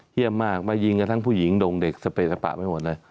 เยี่ยมมากมายิงกันทั้งผู้หญิงโด่งเด็กสเปสปะไปหมดเลย